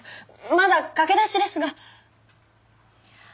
まだ駆け出しですが。